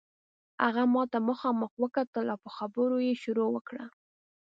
هغه ماته مخامخ وکتل او په خبرو یې شروع وکړه.